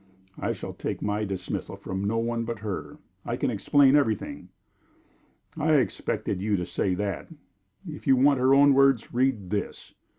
"I shall take my dismissal from no one but her. I can explain everything." "I expected you to say that. If you want her own words, read this."